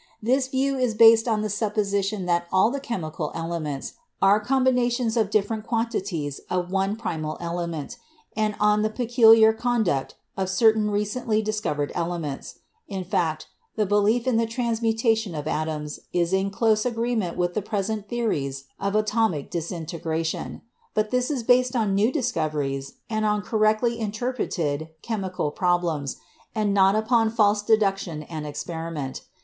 This view is based on the supposition that all the chemical elements are combinations of different quantities of one primal element and on the peculiar conduct of certain recently discovered elements; in fact, the belief in the transmutation of atoms is in close agreement with the present theories of atomic disintegra tion, but this is based upon new discoveries and on cor rectly interpreted chemical problems, and not upon false de duction and experiment.